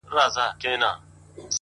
o حدِاقل چي ته مي باید پُخلا کړې وای ـ